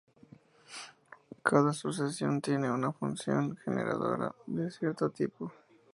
Cada sucesión tiene una función generadora de cierto tipo.